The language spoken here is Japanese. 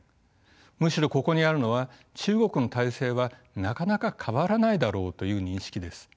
むしろここにあるのは中国の体制はなかなか変わらないだろうという認識です。